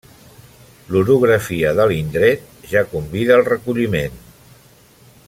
L'orografia de l'indret ja convida al recolliment.